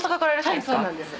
はいそうなんです。